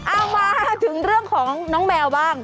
เอามาถึงเรื่องของน้องแมวบ้าง